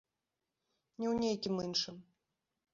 Не ў нейкім іншым.